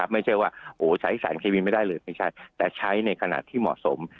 ไม่ใช่ว่าใช้สารเคมีไม่ได้เลยไม่ใช่แต่ใช้ในขณะที่เหมาะสม